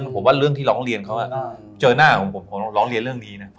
ผมว่าเรื่องที่ร้องเรียนเขาเจอหน้าผมผมขอร้องเรียนเรื่องนี้นะ